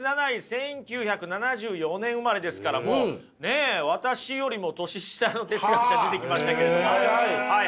１９７４年生まれですからもうねえ私よりも年下の哲学者出てきましたけれどもはいはい。